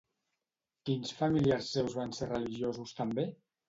Quins familiars seus van ser religiosos també?